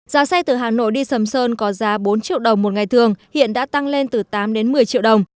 giá xe từ hà nội đi sầm sơn có giá bốn triệu đồng một ngày thường hiện đã tăng lên từ tám đến một mươi triệu đồng